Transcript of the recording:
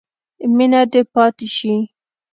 مینه دې پاتې شي.